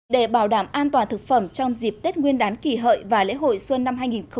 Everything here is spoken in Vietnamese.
để bảo đảm an toàn thực phẩm trong dịp tết nguyên đán kỳ hợi và lễ hội xuân năm hai nghìn một mươi chín